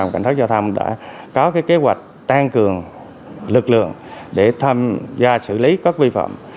cảnh sát giao thông đã có kế hoạch tăng cường lực lượng để tham gia xử lý các vi phạm